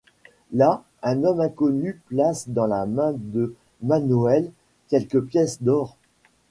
Là, un homme inconnu place dans la main de Manoël quelques pièces d’or.